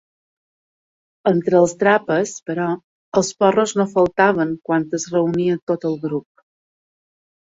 Entre els Trapas, però, els porros no faltaven quan es reunia tot el grup.